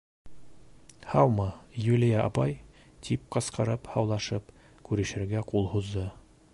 — Һаумы, Юлия апай, — тип ҡысҡырып һаулашып, күрешергә ҡул һуҙҙы.